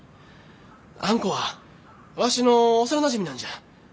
あんこはわしの幼なじみなんじゃ。